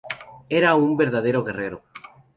Era un verdadero guerrero".